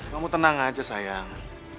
kamu tenang aja sayang